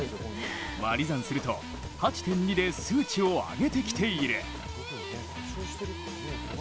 割り算すると、８．２で数値を上げてきている。